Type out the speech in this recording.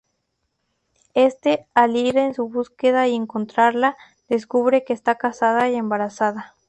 Éste, al ir en su búsqueda y encontrarla, descubre que está casada y embarazada.